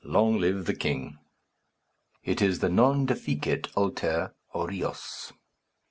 Long live the king! It is the non deficit alter, aureus.